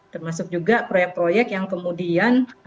termasuk juga proyek proyek yang kemudian